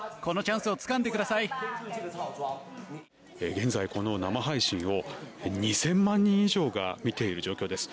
現在この生配信を２０００万人以上が見ている状況です。